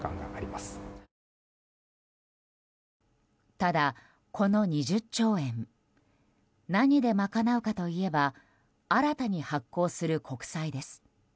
ただ、この２０兆円何で賄うかといえば新たに発行する国債です。